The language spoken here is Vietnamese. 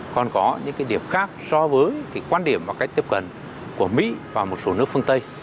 còn có những cái điểm khác so với quan điểm và cách tiếp cận của mỹ và một số nước phương tây